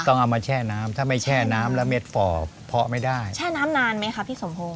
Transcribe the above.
เอามาแช่น้ำถ้าไม่แช่น้ำแล้วเม็ดฝ่อเพาะไม่ได้แช่น้ำนานไหมคะพี่สมพงศ